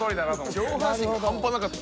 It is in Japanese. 上半身が半端なかった。